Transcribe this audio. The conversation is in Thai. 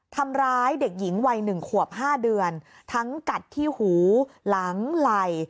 ทำร้ายเด็กหญิงวัย๑ขวบ๕เดือนทั้งกัดที่หูหลังไหล่